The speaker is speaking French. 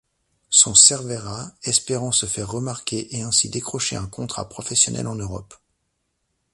Son Servera, espérant se faire remarquer et ainsi décrocher un contrat professionnel en Europe.